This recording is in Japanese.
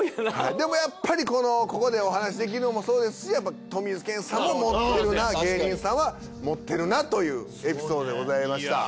でもやっぱりここでお話しできるのもそうですしトミーズ健さんも持ってるな芸人さんは持ってるなというエピソードでございました。